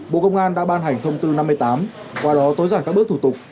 bộ công an đã ban hành thông tư năm mươi tám qua đó tối giản các bước thủ tục